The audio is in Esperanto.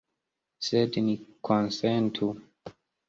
Sed ni konsentu.